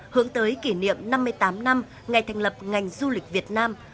hướng tới kỷ niệm năm mươi tám năm ngày thành lập ngành du lịch việt nam